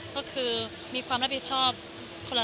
ก็คือมีความรับผิดชอบคนละเท่าเลย